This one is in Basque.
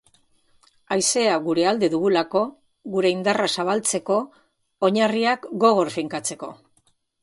Haizea gure alde dugulako gure indarra zabaltzeko, oinarriak gogor finkatzeko.